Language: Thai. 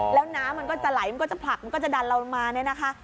แล้วน้ำมันก็จะไหลมันก็จะผลักมันก็จะดันเรามาเนี่ยนะคะ